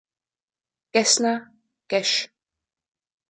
Gessner, gesch.